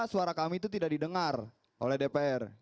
suara kami itu tidak didengar oleh dpr